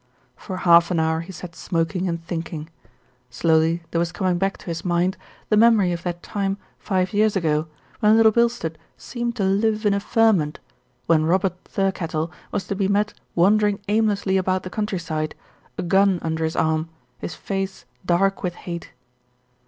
For half an hour he sat smoking and thinking. Slowly there was coming back to his mind the memory of that time, five years ago, when Little Bilstead seemed to live in a ferment, when Robert Thirkettle was to be met wandering aimlessly about the country side, a gun under his arm, his face dark with hate.